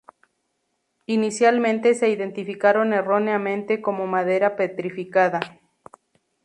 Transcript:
Inicialmente se identificaron erróneamente como madera petrificada.